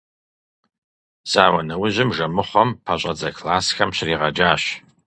Зауэ нэужьым Жэмыхъуэм пэщӏэдзэ классхэм щригъэджащ.